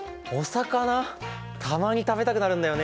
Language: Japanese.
たまに食べたくなるんだよね。